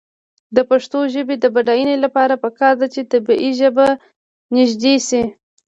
د پښتو ژبې د بډاینې لپاره پکار ده چې طبعي ژبه نژدې شي.